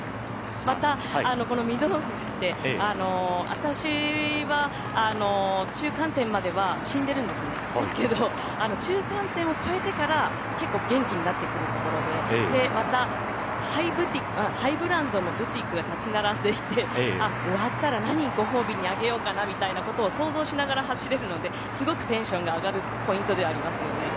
また、この御堂筋って私は中間点までは死んでるんですよねですけど中間点を越えてから結構元気になってくるところでまたハイブランドのブティックが立ち並んでいて終わったら何、ご褒美にあげようかなとか想像しながら走れるのですごくテンションが上がるポイントではありますよね。